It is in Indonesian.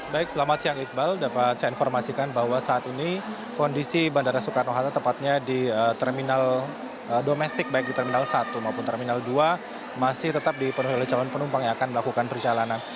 baik selamat siang iqbal dapat saya informasikan bahwa saat ini kondisi bandara soekarno hatta tepatnya di terminal domestik baik di terminal satu maupun terminal dua masih tetap dipenuhi oleh calon penumpang yang akan melakukan perjalanan